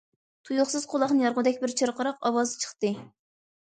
تۇيۇقسىز قۇلاقنى يارغۇدەك بىر چىرقىراق ئاۋاز چىقتى.